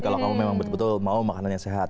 kalau kamu memang betul betul mau makanannya sehat